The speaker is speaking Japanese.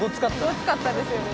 ごつかったですよね。